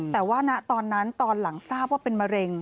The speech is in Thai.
แต่ว่าณตอนนั้นตอนหลังทราบว่าเป็นมะเร็ง